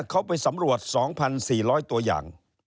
เขาไปสำรวจ๒๔๐๐ตัวอย่าง